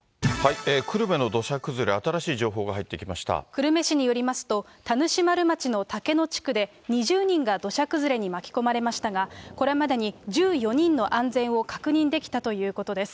久留米市によりますと、田主丸町の竹野地区で２０人が土砂崩れに巻き込まれましたが、これまでに１４人の安全を確認できたということです。